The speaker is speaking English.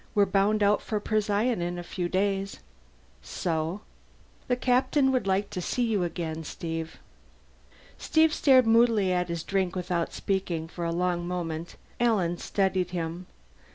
We're bound out for Procyon in a few days." "So?" "The Captain would like to see you again, Steve." Steve stared moodily at his drink without speaking, for a long moment. Alan studied him.